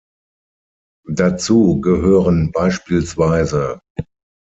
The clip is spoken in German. Dazu gehören bspw.